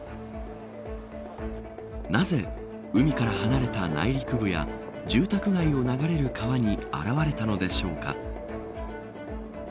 なぜ、海から離れた内陸部や住宅街を流れる川に現れたのでしょうか。